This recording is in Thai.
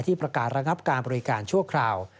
ประกาศระงับการบริการชั่วคราว